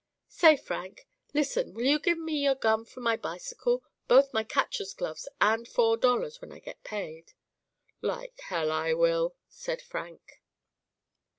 'Say Frank listen, will you gimme your gun for my bicycle, both my catcher's gloves and four dollars when I get paid?' 'Like hell I will,' said Frank.